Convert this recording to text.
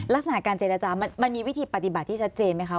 ลักษณะการเจรจามันมีวิธีปฏิบัติที่ชัดเจนไหมคะ